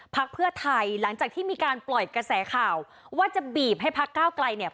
พักเพื่อไทยหลังจากที่มีการปล่อยกระแสข่าวว่าจะบีบให้พักก้าวไกลเนี่ย